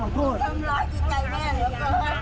บอกแล้วพี่ผมก็บอกแล้ว